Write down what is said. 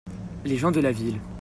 Les gens de la ville.